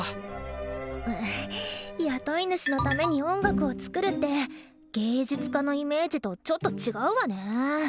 雇い主のために音楽を作るって芸術家のイメージとちょっと違うわね。